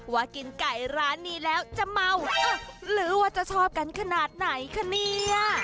ว่ากินไก่ร้านนี้แล้วจะเมาหรือว่าจะชอบกันขนาดไหนคะเนี่ย